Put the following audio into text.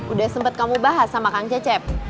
udah sempat kamu bahas sama kang cecep